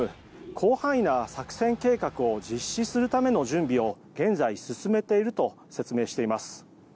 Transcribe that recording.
広範囲な作戦計画を実施するための準備を現在進めていると説明しています。